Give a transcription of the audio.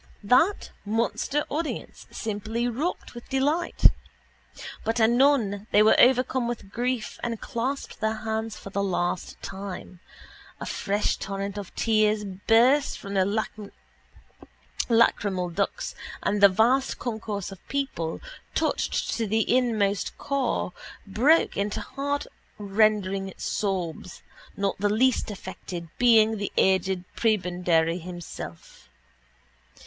That monster audience simply rocked with delight. But anon they were overcome with grief and clasped their hands for the last time. A fresh torrent of tears burst from their lachrymal ducts and the vast concourse of people, touched to the inmost core, broke into heartrending sobs, not the least affected being the aged prebendary himself.